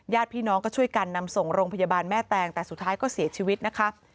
พี่น้องก็ช่วยกันนำส่งโรงพยาบาลแม่แตงแต่สุดท้ายก็เสียชีวิตนะคะ